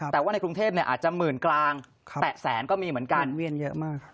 แต่ว่าในกรุงเทพอาจจะหมื่นกลางแตะแสนก็มีเหมือนกันเวียนเยอะมาก